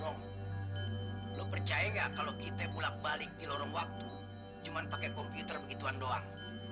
lo percaya nggak kalau kita pulak balik di lorong waktu cuma pakai komputer begituan doang